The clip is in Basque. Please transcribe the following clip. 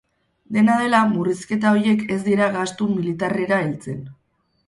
Dena dela, murrizketa horiek ez dira gastu militarrera heltzen.